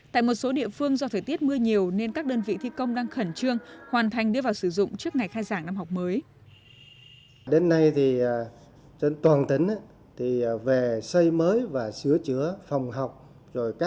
tại một số địa phương do thời tiết mưa nhiều nên các đơn vị thi công đang khẩn trương hoàn thành đưa vào sử dụng trước ngày khai giảng năm học mới